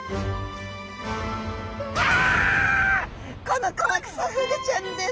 この子はクサフグちゃんです。